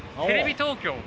テレビ東京。